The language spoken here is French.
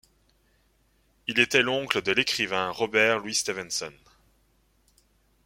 Il était l'oncle de l'écrivain Robert Louis Stevenson.